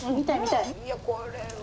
いやこれは。